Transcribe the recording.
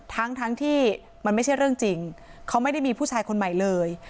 ทั้งทั้งที่มันไม่ใช่เรื่องจริงเขาไม่ได้มีผู้ชายคนใหม่เลย